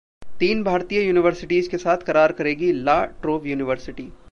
तीन भारतीय यूनिवर्सिटीज के साथ करार करेगी La trobe university